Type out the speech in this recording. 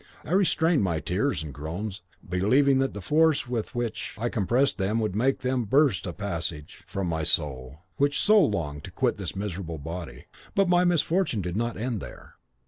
I restrained my tears and groans, believing that the force with which I compressed them would make them burst a passage for my soul, which so longed to quit this miserable body. But my misfortune did not end here.